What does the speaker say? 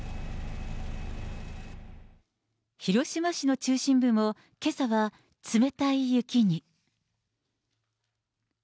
広島市の中心部も、けさは冷たい雪に。